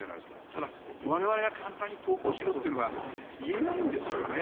ただ、我々が簡単に投降しろというのが言えないんですよね。